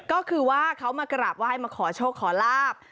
ก็คือว่าเขามากราบไหว้มาขอโชคขอลาบ